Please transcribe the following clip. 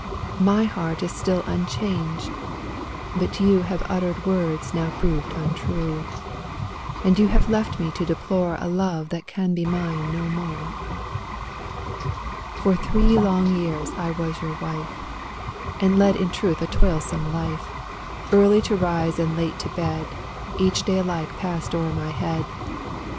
My heart is still unchanged, but you Have uttered words now proved untrue; And you have left me to deplore A love that can be mine no more. For three long years I was your wife, And led in truth a toilsome life; Early to rise and late to bed. Each day alike passed o'er my head.